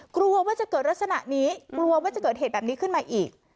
กลัวว่าจะเกิดลักษณะนี้กลัวว่าจะเกิดเหตุแบบนี้ขึ้นมาอีก